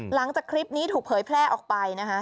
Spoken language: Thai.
หลังจากคลิปนี้ถูกเผยแพร่ออกไปนะคะ